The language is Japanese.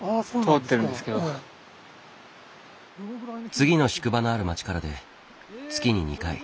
次の宿場のある町からで月に２回